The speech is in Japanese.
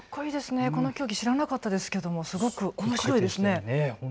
この競技知らなかったですけどもすごくおもしろいですね。